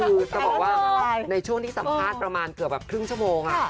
คือจะบอกว่าในช่วงที่สัมภาษณ์ประมาณเกือบแบบครึ่งชั่วโมง